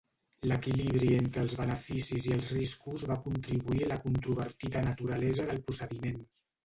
L'equilibri entre els beneficis i els riscos va contribuir a la controvertida naturalesa del procediment.